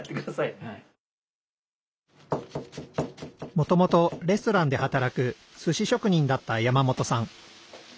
もともとレストランで働くすし職人だった山本さん。